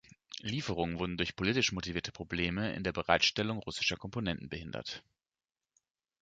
Lieferungen wurden durch politisch motivierte Probleme in der Bereitstellung russischer Komponenten behindert.